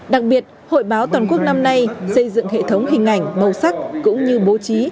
đặc biệt hội báo toàn quốc năm nay xây dựng hệ thống hình ảnh màu sắc cũng như bố trí